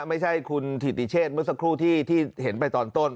ไม่ใช่คุณถิติเชษเมื่อสักครู่ที่เห็นไปตอนต้น